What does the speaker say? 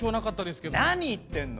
何言ってんの！